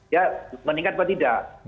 ya meningkat atau tidak